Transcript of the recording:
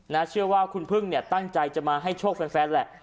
เชื่อว่าคุณพึ่งเนี่ยตั้งใจจะมาให้โชคแฟนแหละ